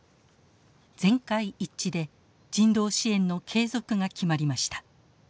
全会一致で人道支援の継続が決まりました。